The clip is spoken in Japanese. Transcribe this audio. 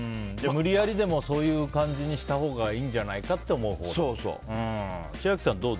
無理矢理でもそういう感じにしたほうがいいんじゃないかってそうそう。